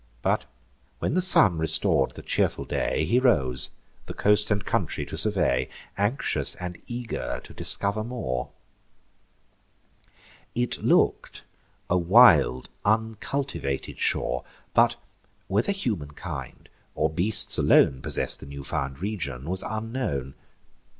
But, when the sun restor'd the cheerful day, He rose, the coast and country to survey, Anxious and eager to discover more. It look'd a wild uncultivated shore; But, whether humankind, or beasts alone Possess'd the new found region, was unknown.